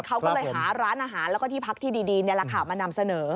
เขาก็เลยหาร้านอาหารแล้วก็ที่พักที่ดีมานำเสนอ